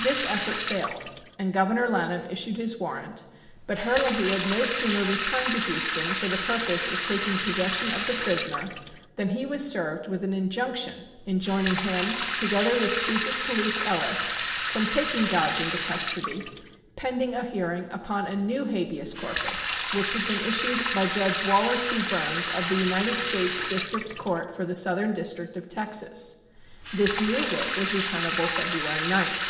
This effort failed and Governor Lanham issued his warrant, but Herlihy had no sooner returned to Houston for the purpose of taking possession of the prisoner than he was served with an injunction enjoining him, together with Chief of Police Ellis, from taking Dodge into custody, pending a hearing upon a new habeas corpus which had been issued by Judge Waller T. Burns of the United States District Court for the Southern District of Texas. This new writ was returnable February 9th.